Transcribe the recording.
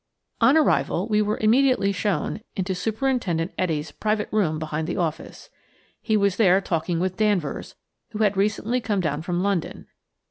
On arrival we were immediately shown into Superintendent Etty's private room behind the office. He was there talking with Danvers–who had recently come down from London.